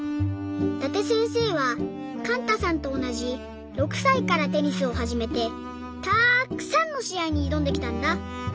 伊達せんせいはかんたさんとおなじ６さいからテニスをはじめてたっくさんのしあいにいどんできたんだ。